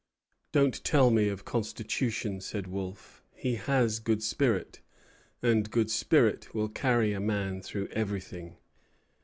"Don't tell me of constitution," said Wolfe; "he has good spirit, and good spirit will carry a man through everything."